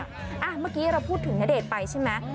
เมื่อกี้เราพูดถึงณเดชน์ไปใช่ไหม